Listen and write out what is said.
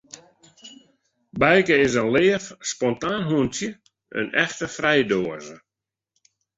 Bijke is in leaf, spontaan hûntsje, in echte frijdoaze.